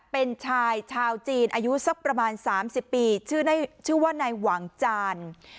เป็นชายชาวจีนอายุสักประมาณ๓๐ปีชื่อว่านายหวังจาน